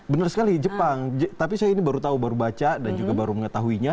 benar sekali jepang tapi saya ini baru tahu baru baca dan juga baru mengetahuinya